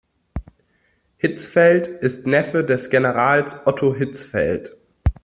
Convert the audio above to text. Hitzfeld ist Neffe des Generals Otto Hitzfeld.